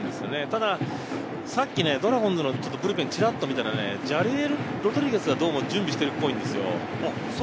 たださっきドラゴンズのブルペンをちらっと見たら、ロドリゲスがどうも準備しているらしいんですよ。